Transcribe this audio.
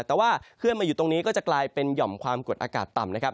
แต่ว่าเคลื่อนมาอยู่ตรงนี้ก็จะกลายเป็นหย่อมความกดอากาศต่ำนะครับ